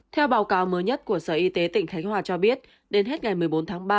theo báo cáo mới nhất của sở y tế tỉnh khánh hòa cho biết đến hết ngày một mươi bốn tháng ba